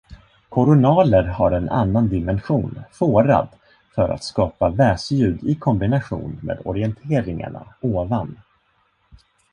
Koronaler har en annan dimension, fårad, för att skapa väsljud i kombination med orienteringarna ovan.